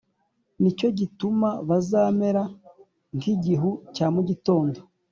Ni cyo gituma bazamera nk’igihu cya mu gitondo,